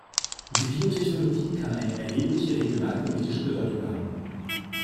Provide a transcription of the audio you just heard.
Die Biotechnologie kann eine erhebliche regionalpolitische Bedeutung haben.